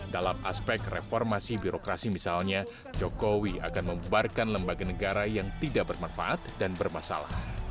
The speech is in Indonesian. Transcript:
dalam aspek reformasi birokrasi misalnya jokowi akan membuarkan lembaga negara yang tidak bermanfaat dan bermasalah